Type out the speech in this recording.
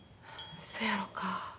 そやろか。